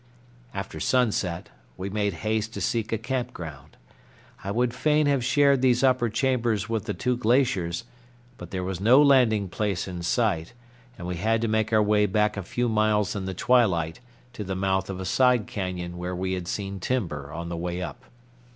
After sunset we made haste to seek a camp ground. I would fain have shared these upper chambers with the two glaciers, but there was no landing place in sight, and we had to make our way back a few miles in the twilight to the mouth of a side cañon where we had seen timber on the way up.